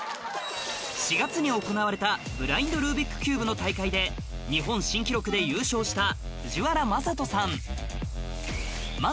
４月に行われたブラインドルービックキューブの大会で日本新記録で優勝した